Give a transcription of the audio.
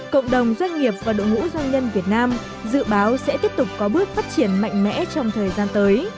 cộng đồng doanh nghiệp và đội ngũ doanh nhân việt nam dự báo sẽ tiếp tục có bước phát triển mạnh mẽ trong thời gian tới